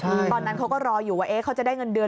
ตอนนั้นเขาก็รออยู่ว่าเขาจะได้เงินเดือน